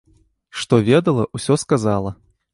Што ведала, усё сказала.